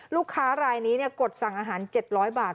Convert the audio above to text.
ลูกค้ารายนี้กดสั่งอาหาร๗๐๐บาท